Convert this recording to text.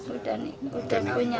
udah punya anak